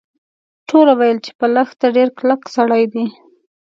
ټولو ویل چې په لښته ډیر کلک سړی دی.